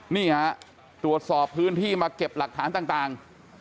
นี่ฮะตรวจสอบพื้นที่มาเก็บหลักฐานต่าง